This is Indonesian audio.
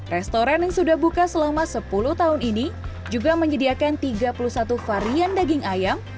restoran yang sudah buka selama sepuluh tahun ini juga menyediakan tiga puluh satu varian daging ayam